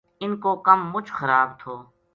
اِن کو کم مچ خراب تھو